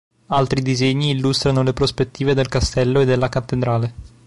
Altri disegni illustrano le prospettive del Castello e della Cattedrale.